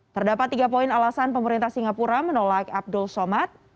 terdapat tiga poin alasan pemerintah singapura menolak abdul somad